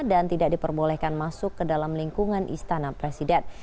dan tidak diperbolehkan masuk ke dalam lingkungan istana presiden